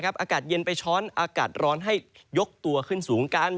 อากาศเย็นไปช้อนอากาศร้อนให้ยกตัวขึ้นสูงกัน